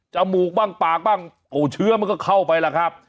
มูกบ้างปากบ้างโอ้เชื้อมันก็เข้าไปล่ะครับ